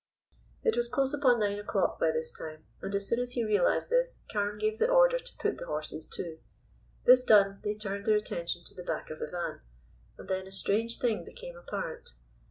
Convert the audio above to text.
It was close upon nine o'clock by this time, and as soon as he realized this Carne gave the order to put the horses to. This done, they turned their attention to the back of the van, and then a strange thing became apparent.